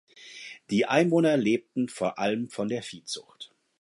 Die Einwohner lebten vor allem von der Viehzucht.